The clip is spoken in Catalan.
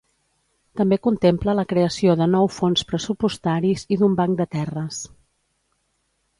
També contempla la creació de nou fons pressupostaris i d'un banc de terres.